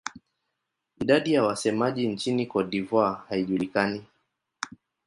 Idadi ya wasemaji nchini Cote d'Ivoire haijulikani.